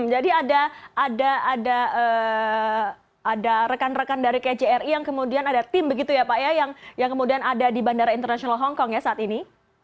jadi ada ada ada ada rekan rekan dari kjri yang kemudian ada tim begitu ya pak ya yang yang kemudian ada di bandara international hongkong ya saat ini